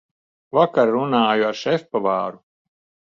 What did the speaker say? Vakar runāju ar šefpavāru.